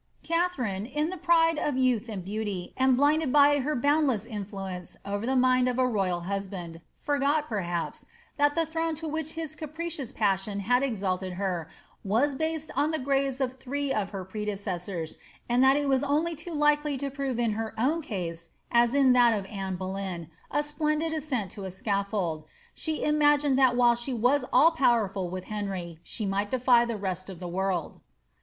Katharine, in the pride of youth and beauty, and blinded by her boundless influence over the mind of a royal husband, forgot, perhaps, that the throne to which his capricious passion had exalted her was based on the graves of three of her predecessors, and that it was only too likely to prove in her own case (as in that of Anne Boleyn) a iplendid ascent to a scafibld, — she imagined that while she was all powerful with Henry, she might defy the rest of the world.